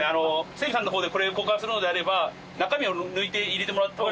整備さんの方でこれ交換するのであれば中身を抜いて入れてもらった方が。